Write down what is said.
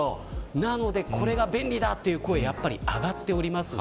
なので、これが便利だという声が上がってます。